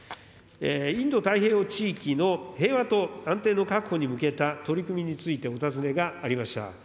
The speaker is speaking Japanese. インド太平洋地域の平和と安定の確保に向けた取り組みについてお尋ねがありました。